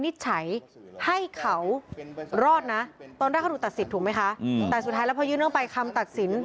แต่สุดท้ายแล้วพอยืนเรื่องไปคำตัดสิน